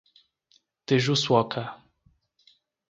Tejuçuoca